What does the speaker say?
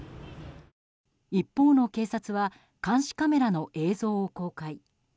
一方の警察は監視カメラの映像を公開。